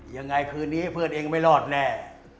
ยังไงคืนนี้เพื่อนเองไม่รอดแน่